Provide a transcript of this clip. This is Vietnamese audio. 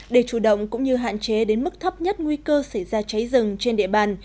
để chủ động cũng như hạn chế đến mức thấp nhất nguy cơ xảy ra cháy rừng trên địa bàn